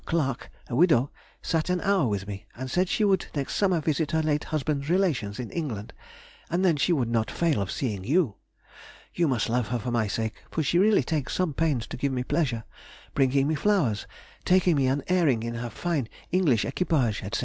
Clarke, a widow, sat an hour with me, and said she would next summer visit her late husband's relations in England, and then she would not fail of seeing you. You must love her for my sake, for she really takes some pains to give me pleasure, bringing me flowers, taking me an airing in her fine English equipage, &c.